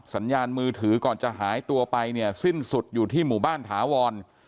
สัญญาณมือถือก่อนจะหายตัวไปเนี่ยสิ้นสุดอยู่ที่หมู่บ้านถาวร